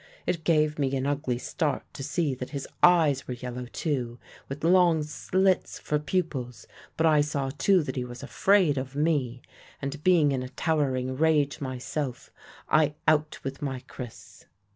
It gave me an ugly start to see that his eyes were yellow too, with long slits for pupils; but I saw too that he was afraid of me, and being in a towering rage myself, I out with my kris.